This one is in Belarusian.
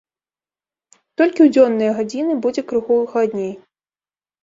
Толькі ў дзённыя гадзіны будзе крыху халадней.